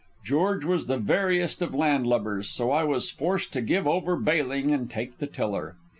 George was the veriest of landlubbers, so I was forced to give over bailing and take the tiller.